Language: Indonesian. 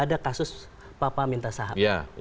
ada kasus papa minta sahab